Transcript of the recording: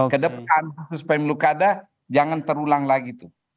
kedepan khusus pemilu kader jangan terulang lagi